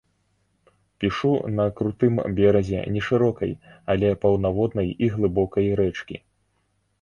Пішу на крутым беразе нешырокай, але паўнаводнай і глыбокай рэчкі.